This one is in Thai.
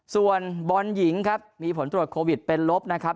ส่วนบอลหญิงครับมีผลตรวจโควิดเป็นลบนะครับ